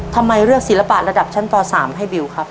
ทำไมเลือกศิลปะระดับชั้นป๓ให้บิวครับ